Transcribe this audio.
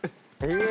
え！